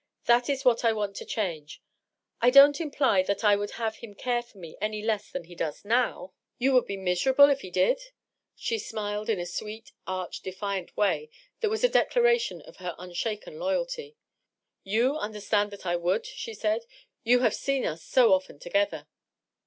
That is what I want to change. I don't imply that I would have him care for me any less than he does now .."" You would be miserable if he did ?" She smiled in a sweet, arch, defiant way that was a declaration of her unshaken loyalty. "You understand that I would!" she said. " You have seen us so ofl«n together."